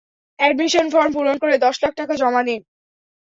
Admission form পূরণ করে, দশ লাখ টাকা জমা দিন।